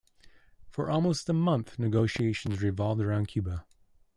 For almost a month, negotiations revolved around Cuba.